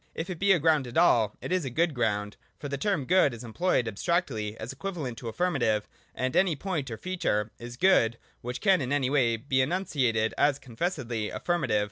If it be a ground at all, it is a good ground : for the term 'good ' is employed abstractly as equivalent to affirmative ; and any point (or feature) is good which can in any way be enunciated as confessedly 230 THE DOCTRINE OF ESSENCE. [122, 123. affirmative.